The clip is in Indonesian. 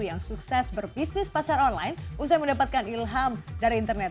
yang sukses berbisnis pasar online usai mendapatkan ilham dari internet